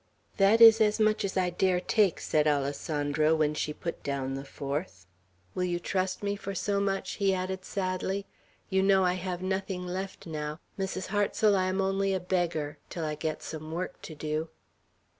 "That is as much as I dare take," said Alessandro, when she put down the fourth. "Will you trust me for so much?" he added sadly. "You know I have nothing left now. Mrs. Hartsel, I am only a beggar, till I get some work to do."